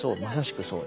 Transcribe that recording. そう。